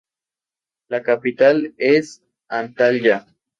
La capital es Antalya.